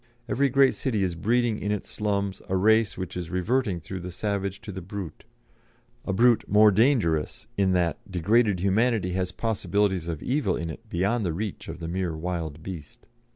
Every great city is breeding in its slums a race which is reverting through the savage to the brute a brute more dangerous in that degraded humanity has possibilities of evil in it beyond the reach of the mere wild beast.